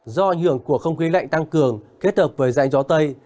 do ảnh hưởng của không khí lạnh tăng cường kết hợp với dãy gió tây